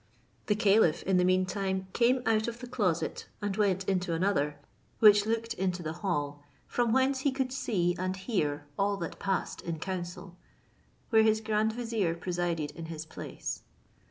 The caliph in the mean time came out of the closet, and went into another, which looked into the hall, from whence he could see and hear all that passed in council, where his grand vizier presided in his place.